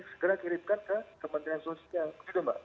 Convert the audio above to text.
segera kirimkan ke kementerian sosial